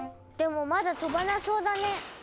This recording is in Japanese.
でもまだ飛ばなそうだね。